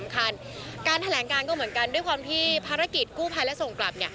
การแถลงการก็เหมือนกันด้วยความที่ภารกิจกู้ภัยและส่งกลับ